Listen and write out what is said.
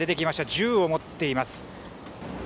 銃を持っています。